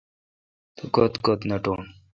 توکت کت نٹوں۔